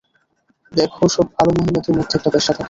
দেখো সব ভালো মহিলাদের মধ্যে একটা বেশ্যা থাকে।